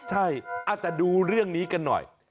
ใช่แต่ดูเรื่องนี้กันหน่อย